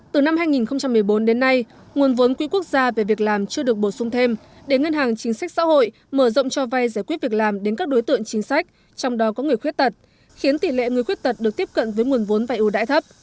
từ năm hai nghìn một mươi bốn đến nay nguồn vốn quỹ quốc gia về việc làm chưa được bổ sung thêm để ngân hàng chính sách xã hội mở rộng cho vay giải quyết việc làm đến các đối tượng chính sách trong đó có người khuyết tật khiến tỷ lệ người khuyết tật được tiếp cận với nguồn vốn vay ưu đãi thấp